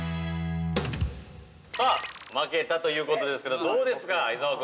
◆さあ負けたということですけど、どうですか、伊沢君。